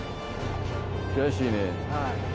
悔しいね。